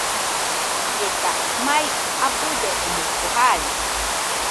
Ieta mai abɨdo omoɨko jai.